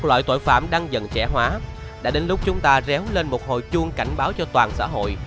các loại tội phạm đang dần trẻ hóa đã đến lúc chúng ta réo lên một hồi chuông cảnh báo cho toàn xã hội